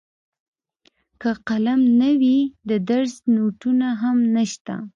که قلم نه وي د درس نوټونه هم نشته.